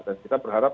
dan kita berharap